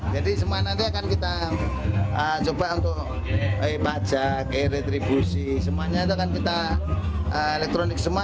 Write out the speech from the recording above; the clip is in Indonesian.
jadi semua nanti akan kita coba untuk e pajak e retribusi semuanya itu akan kita elektronik semua